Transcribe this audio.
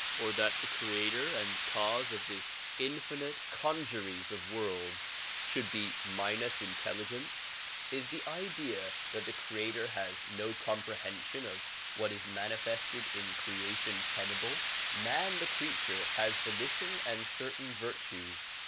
Or that the creator and cause of this infinite congeries of worlds should be minus intel ligence ? Is the idea that the creator has no comprehension of what is manifested in creation, tenable? IMan the creature has volition and certain virtues.